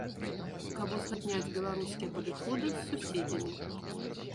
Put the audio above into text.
Каб узгадняць беларускія падыходы з суседзямі.